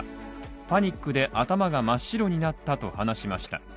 パニックで頭が真っ白になったと話しました。